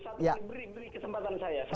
satu menit beri kesempatan saya